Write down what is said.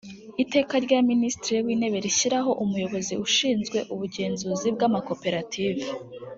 iteka rya minisitiri w intebe rishyiraho umuyobozi ushinzwe ubugenzuzi bw amakoperative